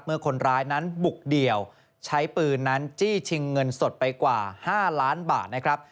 คนร้ายนั้นบุกเดี่ยวใช้ปืนนั้นจี้ชิงเงินสดไปกว่า๕ล้านบาทนะครับ